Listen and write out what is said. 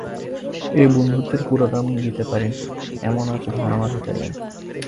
এ বন্ধুত্বের পুরো দাম দিতে পারি এমন ধন আজ আমার হাতে নেই।